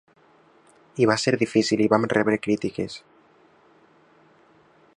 I va ser difícil i vam rebre crítiques.